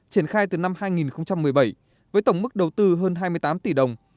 triển khai từ năm hai nghìn một mươi bảy với tổng mức đầu tư hơn hai mươi tám tỷ đồng